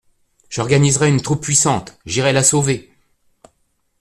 J'organiserais une troupe puissante ; j'irais la sauver.